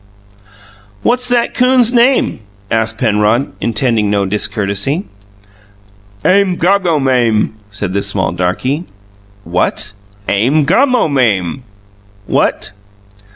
"What's that 'coon's name?" asked Penrod, intending no discourtesy. "Aim gommo mame," said the small darky. "What?" "Aim gommo mame." "WHAT?"